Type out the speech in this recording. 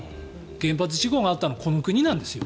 原発事故があったのこの国なんですよ。